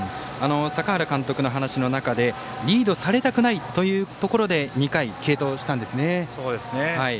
坂原監督の話の中でリードされたくないというところで２回、継投したんですね。